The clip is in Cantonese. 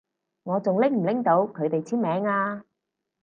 我仲拎唔拎到佢哋簽名啊？